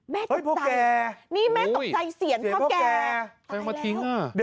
แม่เก็บใจนี่แม่ตกใจเสียนพ่อแกตายแล้วโอ้โฮเฮ้ยพวกแก